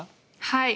はい。